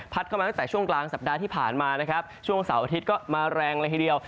เข้ามาตั้งแต่ช่วงกลางสัปดาห์ที่ผ่านมานะครับช่วงเสาร์อาทิตย์ก็มาแรงเลยทีเดียว